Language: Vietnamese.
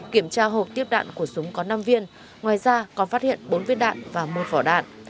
kiểm tra hộp tiếp đạn của súng có năm viên ngoài ra còn phát hiện bốn viên đạn và một vỏ đạn